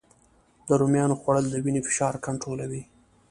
د رومیانو خوړل د وینې فشار کنټرولوي